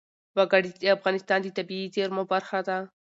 وګړي د افغانستان د طبیعي زیرمو برخه ده.